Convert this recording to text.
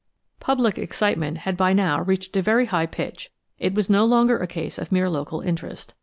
3 PUBLIC excitement had by now reached a very high pitch; it was no longer a case of mere local interest.